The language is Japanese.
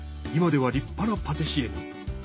今では立派なパティシエに。